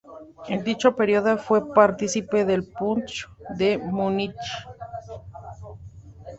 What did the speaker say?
En dicho periodo, fue partícipe del Putsch de Múnich.